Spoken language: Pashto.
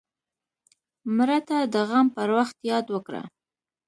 مړه ته د غم پر وخت یاد وکړه